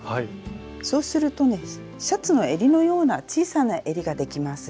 そうするとねシャツのえりのような小さなえりができます。